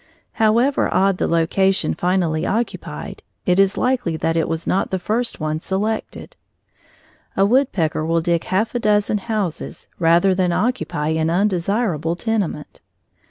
However odd the location finally occupied, it is likely that it was not the first one selected. A woodpecker will dig half a dozen houses rather than occupy an undesirable tenement.